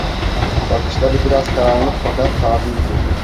Bakışları biraz karanlık fakat tabiiydi.